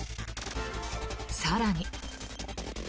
更に。